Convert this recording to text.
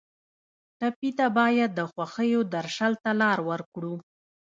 ټپي ته باید د خوښیو درشل ته لار ورکړو.